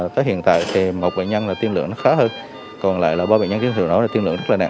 tới hiện tại một bệnh nhân tiêm lượng khá hơn